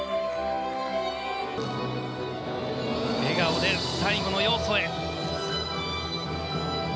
笑顔で最後の要素へ。